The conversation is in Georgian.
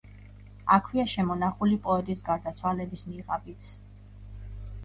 აქვეა შემონახული პოეტის გარდაცვალების ნიღაბიც.